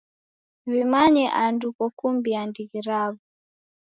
W'imanye andu kokumbia ndighi raw'o.